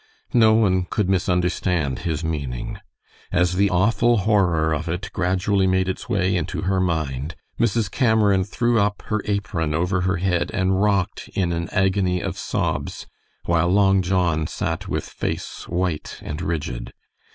No one could misunderstand his meaning. As the awful horror of it gradually made its way into her mind, Mrs. Cameron threw up her apron over her head and rocked in an agony of sobs, while Long John sat with face white and rigid.